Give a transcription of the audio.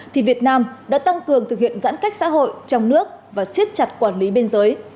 thì việt nam đã tăng cường thực hiện giãn cách xã hội trong nước và siết chặt quản lý biên giới